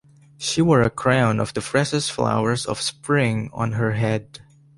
She wore a crown of the freshest flowers of spring on her head.